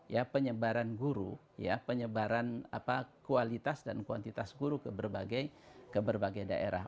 ya penyebaran guru ya penyebaran kualitas dan kuantitas guru ke berbagai daerah